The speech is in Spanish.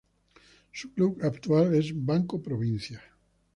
Su club actual es Banco Provincia.